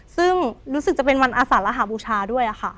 ซึ่งรู้สึกจะเป็นวันอาสารหาบูชาด้วยค่ะ